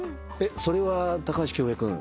それは高橋恭平君